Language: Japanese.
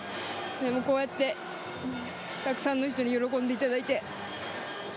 でもこうやってたくさんの人に喜んでいただいて。